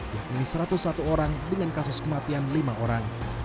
yakni satu ratus satu orang dengan kasus kematian lima orang